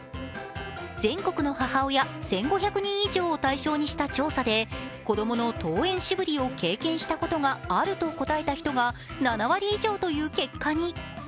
全国の母親１５００人以上を対象にした調査で子供の登園渋りを経験したことがあると答えた人が７割以上という結果に。